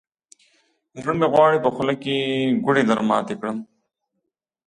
زړه مې غواړي، په خوله کې ګوړې درماتې کړم.